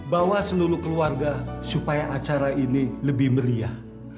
bawa seluruh keluarga supaya acara ini lebih meriah